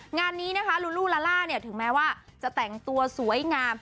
งานนี้นะคะลูลูลาล่าเนี่ยถึงแม้ว่าจะแต่งตัวสวยงาม